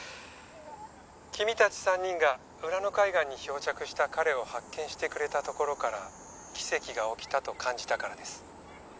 「君たち３人が浦野海岸に漂着した彼を発見してくれたところから奇跡が起きたと感じたからです」